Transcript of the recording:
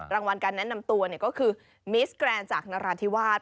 รางวัลการแนะนำตัวก็คือมิสแกรนด์จากนราธิวาส